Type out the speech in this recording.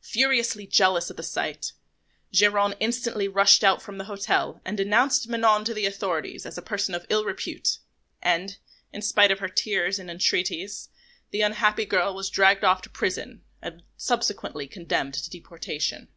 Furiously jealous at the sight, Geronte instantly rushed out from the hotel and denounced Manon to the authorities as a person of ill repute; and, in spite of her tears and entreaties, the unhappy girl was dragged off to prison and subsequently condemned to deportation.